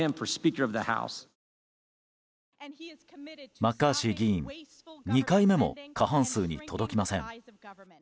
マッカーシー議員２回目も過半数に届きません。